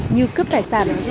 như cướp tài sản